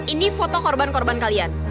ini foto korban korban kalian